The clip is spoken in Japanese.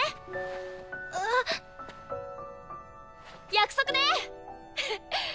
約束ね！